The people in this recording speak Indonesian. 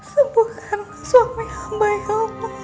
sembuhan suami aku